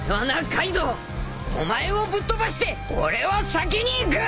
カイドウお前をぶっ飛ばして俺は先に行く！